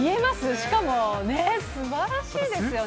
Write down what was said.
しかも、すばらしいですよね。